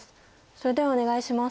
それではお願いします。